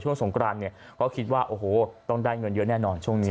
สงกรานเนี่ยก็คิดว่าโอ้โหต้องได้เงินเยอะแน่นอนช่วงนี้